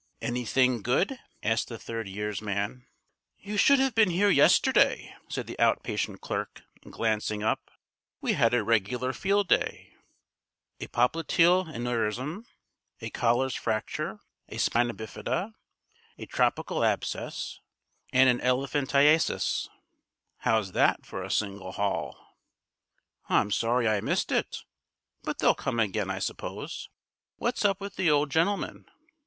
"Anything good?" asked the third year's man. "You should have been here yesterday," said the out patient clerk, glancing up. "We had a regular field day. A popliteal aneurism, a Colles' fracture, a spina bifida, a tropical abscess, and an elephantiasis. How's that for a single haul?" "I'm sorry I missed it. But they'll come again, I suppose. What's up with the old gentleman?"